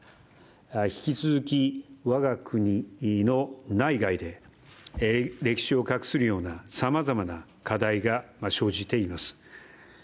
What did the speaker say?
引き続き、我が国の内外で歴史をかくするようなさまざまな課題が生じています。